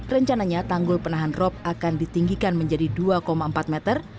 rencananya tanggul penahan rop akan ditinggikan menjadi dua empat meter